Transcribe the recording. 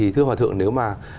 thưa thượng nếu mà